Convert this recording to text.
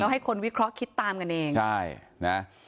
ให้คนวิเคราะห์คิดตามกันเองใช่นะ